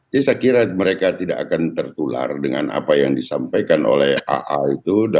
saya kira mereka tidak akan tertular dengan apa yang disampaikan oleh aa itu